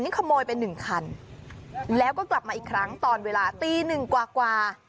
ขโมยไปหนึ่งคันแล้วก็กลับมาอีกครั้งตอนเวลาตีหนึ่งกว่า